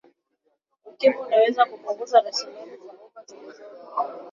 ukimwi unaweza kupunguza raslimali za umma zilizopo